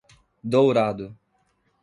Dourado